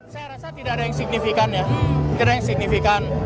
saya rasa tidak ada yang signifikan ya tidak ada yang signifikan